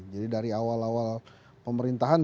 jadi dari awal awal pemerintahan